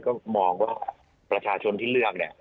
ก็มองว่าประชาชนที่เลือกเนี่ย